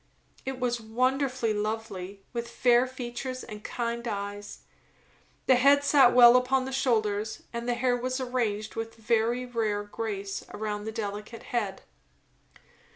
It was wonderfully lovely; with fair features and kind eyes; the head sat well upon the shoulders, and the hair was arranged with very rare grace around the delicate head.